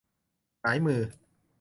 หงายมือ